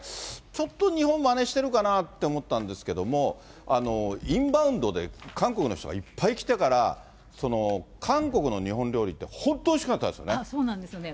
ちょっと日本まねしてるかなと思ったんですけど、インバウンドで、韓国の人がいっぱい来てから、韓国の日本料理って、本当おいしかそうなんですよね。